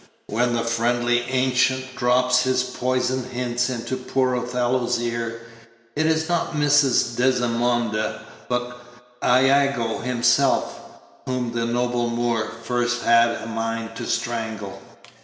When the friendly Ancient drops his poisoned hints into poor Othello's ear, it is not Mrs. Desdemona, but Iago himself, whom the noble Moor first has a mind to strangle.